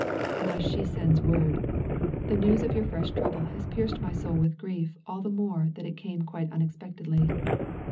Thus she sends word "The news of your fresh trouble has pierced my soul with grief all the more that it came quite unexpectedly."